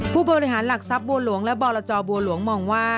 ผู้บริหารหลักทรัพย์บัวหลวงและบรจบัวหลวงมองว่า